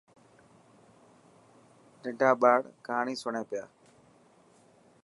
تڌا ٻاڙ ڪهاني سڻي پيا.